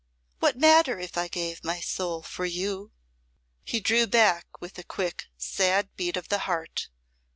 What matter if I gave my soul for you?" He drew back with a quick sad beat of the heart.